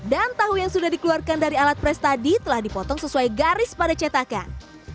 dan tahu yang sudah dikeluarkan dari alat fresh tadi telah dipotong sesuai garis pada cetakan